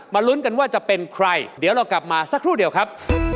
ลุ้นกันว่าจะเป็นใครเดี๋ยวเรากลับมาสักครู่เดียวครับ